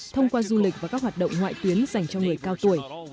thông qua du lịch và các hoạt động ngoại tuyến dành cho người cao tuổi